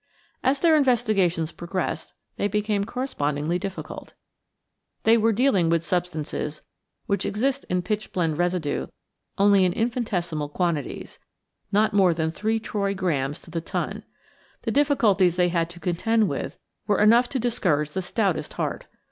As their investigations progressed, they became correspondingly difficult. They were dealing with substances which exist in pitchblend residue only in infinitesimal quantities not more than three troy grams to the ton. The difficulties they had to contend with were enough to discourage the stoutest heart.